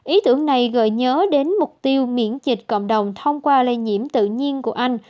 ý tưởng này gợi nhớ đến mục tiêu miễn dịch cộng đồng thông qua lây nhiễm tự nhiên của anh